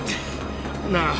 なあ。